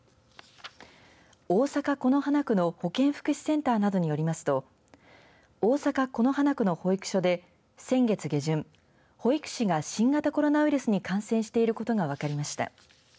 大阪、此花区の保健福祉センターなどによりますと大阪此花区の保育所で先月下旬保育士が新型コロナウイルスに感染していることが分かりました。